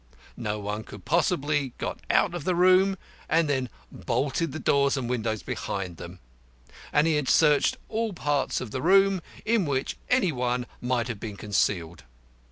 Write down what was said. No one could possibly have got out of the room, and then bolted the doors and windows behind him; and he had searched all parts of the room in which any one might have been concealed.